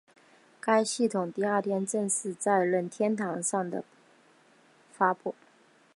该系统第二天正式在任天堂的上发布。